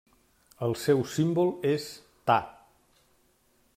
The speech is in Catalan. El seu símbol és Ta.